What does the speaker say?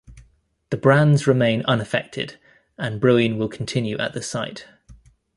The brands remain unaffected and brewing will continue at the site.